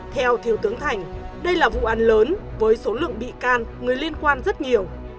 theo thiếu tướng thành đây là vụ án lớn với số lượng bị can người liên quan rất nhiều